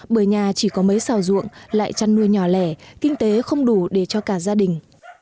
bởi nhà chỉ có mấy xào ruộng lại chăn nuôi nhỏ lẻ kinh tế không đủ để cho cả gia đình